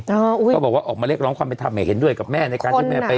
ก็บอกว่าออกมาเรียกร้องความเป็นธรรมให้เห็นด้วยกับแม่ในการที่แม่ไป